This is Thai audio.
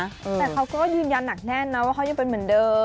แต่เขาก็ยืนยันหนักแน่นนะว่าเขายังเป็นเหมือนเดิม